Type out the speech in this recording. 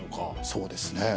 そうですね。